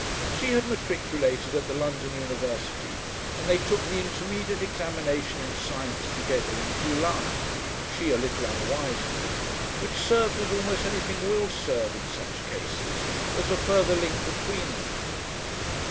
She had matriculated at the London University and they took the Intermediate Examination in Science together in July she a little unwisely which served, as almost anything will serve in such cases, as a further link between them.